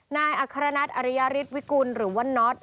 นายอัครนัทอริยฤทธิวิกุลหรือว่าน็อต